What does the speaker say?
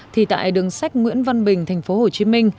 thì tại đường sách nguyễn văn bình tp hcm